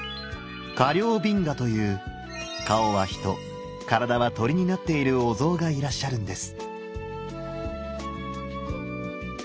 「陵頻伽」という顔は人体は鳥になっているお像がいらっしゃるんです。